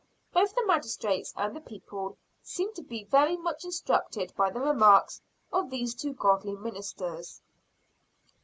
Both the magistrates and the people seemed to be very much instructed by the remarks of these two godly ministers.